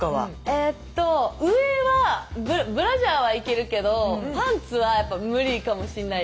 えっと上はブラジャーはいけるけどパンツはやっぱムリかもしんないです。